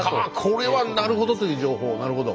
これはなるほどという情報なるほど。